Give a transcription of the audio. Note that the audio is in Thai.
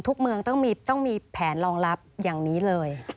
ทุกเมืองต้องมีแผนรองรับอย่างนี้เลย